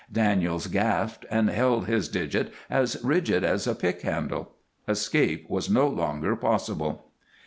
Daniels gasped and held his digit as rigid as a pick handle. Escape was no longer possible.